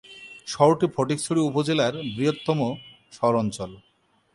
শহরটি ফটিকছড়ি উপজেলার বৃহত্তম শহরাঞ্চল।